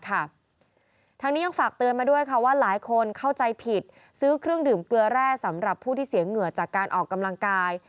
ทางนี้ยังฝากเตือนมาด้วยค่ะว่าหลายคนเข้าใจผิดซื้อเครื่องดื่มเกลือแร่สำหรับผู้ที่เสียเหงื่อจากการออกกำลังกาย